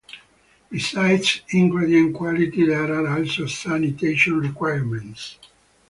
Besides ingredient quality, there are also sanitation requirements.